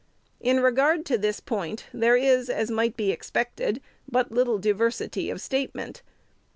In regard to this point, there is, as might be expected, but little diversity of statement.